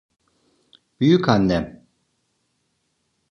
Büyükannem.